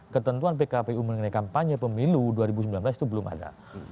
ketentuan pkpu mengenai kampanye pemilu dua ribu sembilan belas itu belum ada